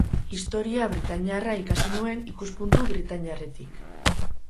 Historia britainiarra ikasi nuen ikuspuntu britainiarretik.